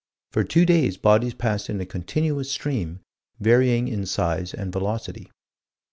For two days bodies passed in a continuous stream, varying in size and velocity.